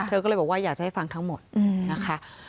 เธอก็เลยบอกว่าอยากจะให้ฟังทั้งหมดนะคะ